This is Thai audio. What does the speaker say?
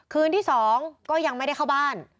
คืนที่๒ก็ยังไม่ได้เข้าบ้าน